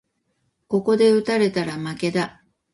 ここで打たれたら負けだ